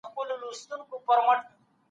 سياستپوهانو له ډېر پخوا څخه پر قدرت بحثونه کول.